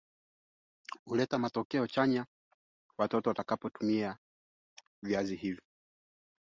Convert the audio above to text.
Ndama vifungua mimba waliozaliwa na ng'ombe jike aliye mchanga kiumri